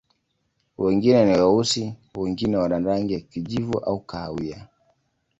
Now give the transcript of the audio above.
Wengine ni weusi, wengine wana rangi ya kijivu au kahawia.